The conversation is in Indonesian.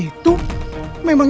memangnya kita tidak bisa mencari